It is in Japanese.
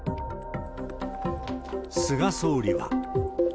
菅総理は。